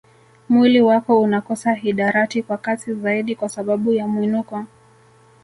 Mwili wako unakosa hidarati kwa kasi zaidi kwa sababu ya mwinuko